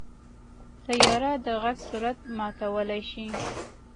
طیاره د غږ سرعت ماتولی شي.